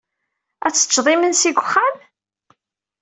Ad teččed imensi deg uxxam?